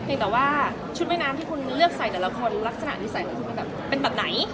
เองแต่ว่าชุดมันน้ำที่คุณเลือกใส่แต่ละคนลักษณะที่ใส่ผู้หญิงเป็นแบบไหน